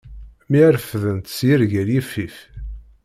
Mi refdent s yirgel yifif.